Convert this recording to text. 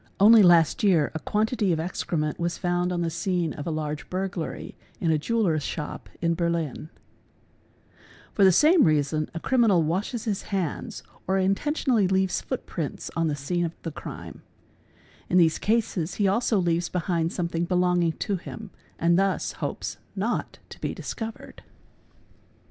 Only last year a quantity of excrement was found on the scene of a large burglany in a jeweller's shop in Berlin $™, For the same reason a criminal washes his hands or intentionally leaves foot prints on the scene of the crime; in these cases he also leaves behind something belonging to him and thus hopes not to be discovered.